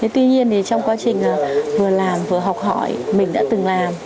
tuy nhiên trong quá trình vừa làm vừa học hỏi mình đã từng làm